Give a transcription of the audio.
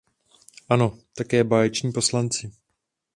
Ano, také báječní poslanci.